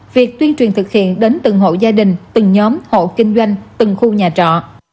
việc tuyên truyền thực hiện đến từng hộ gia đình từng nhóm hộ kinh doanh từng khu nhà trọ